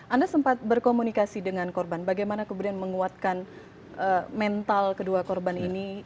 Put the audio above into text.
anda sempat berkomunikasi dengan korban bagaimana kemudian menguatkan mental kedua korban ini